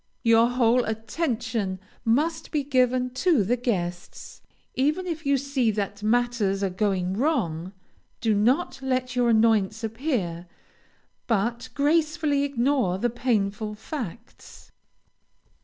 Your whole attention must be given to the guests. Even if you see that matters are going wrong, do not let your annoyance appear, but gracefully ignore the painful facts.